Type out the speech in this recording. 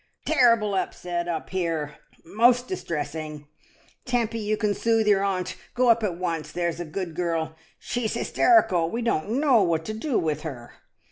"Terrible upset up here — most distressing. Tempy, you can soothe your aunt; go up at once, there's a good girl — she's hysterical; we don't know what to do with her.